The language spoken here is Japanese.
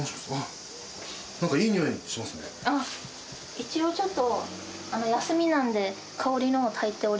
一応ちょっと。